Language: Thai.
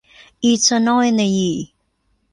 อีเทอเนิล เอนเนอยี